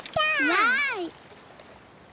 わい！